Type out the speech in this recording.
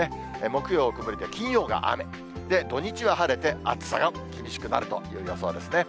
木曜曇りで、金曜が雨、土日は晴れて、暑さが厳しくなるという予想です。